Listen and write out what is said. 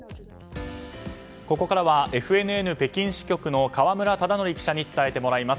ここからは、ＦＮＮ北京支局の河村忠徳記者に伝えてもらいます。